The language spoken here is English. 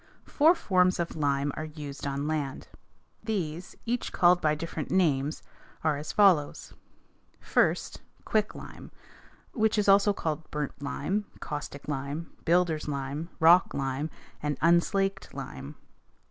Four forms of lime are used on land. These, each called by different names, are as follows: First, quicklime, which is also called burnt lime, caustic lime, builders' lime, rock lime, and unslaked lime.